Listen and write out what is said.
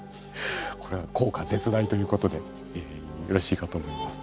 これは効果絶大ということでよろしいかと思います。